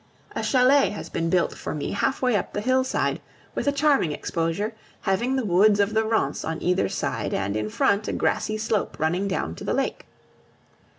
A chalet has been built for me half way up the hillside, with a charming exposure, having the woods of the Ronce on either side, and in front a grassy slope running down to the lake.